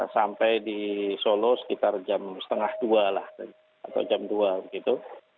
sampai di solo sekitar jam setengah dua lah atau jam dua begitu